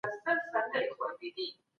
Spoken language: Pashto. موږ په پښتو وياړو.